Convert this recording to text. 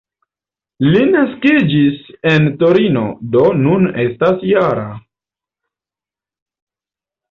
Li naskiĝis en Torino, do nun estas -jara.